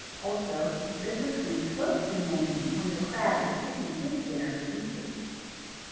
Also, bits of food float to the Anemone when the crab is picking his dinner to pieces.